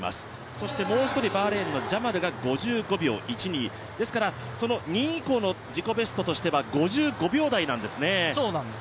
そしてもう一人バーレーンのジャマルが５５秒１２、ですから、２位以降の自己ベストとしては５５秒台なんですね。